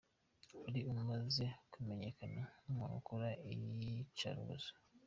Wari umaze kumenyekana nk’umuntu ukora iyicarubozo.